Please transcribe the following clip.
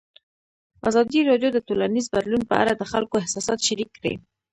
ازادي راډیو د ټولنیز بدلون په اړه د خلکو احساسات شریک کړي.